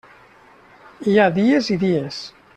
Hi ha dies i dies.